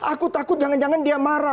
aku takut jangan jangan dia marah